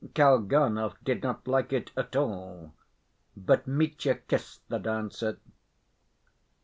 Kalganov did not like it at all, but Mitya kissed the dancer.